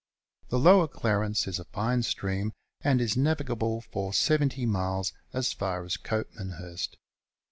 The Lower Clarence is a fine stream, and is navigable for 70 miles, as far as Copmanhurst.